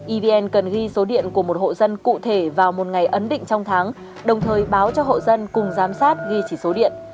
evn cần ghi số điện của một hộ dân cụ thể vào một ngày ấn định trong tháng đồng thời báo cho hộ dân cùng giám sát ghi chỉ số điện